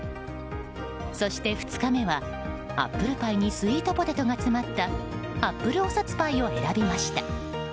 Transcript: そして２日目はアップルパイにスイートポテトが詰まったアップルおさつパイを選びました。